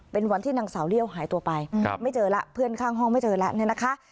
เป็นวันที่นางสาวเลี่ยวหายตัวไปไม่เจอแล้วเพื่อนข้างห้องไม่เจอแล้วเนี่ยนะคะ